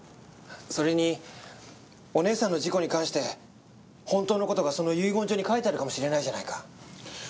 それにお姉さんの事故に関して本当の事がその遺言状に書いてあるかもしれないじゃないか。